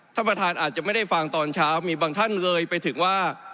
ท่านประธานอาจจะไม่ได้ฟังตอนเช้ามีบางท่านเงยไปถึงว่า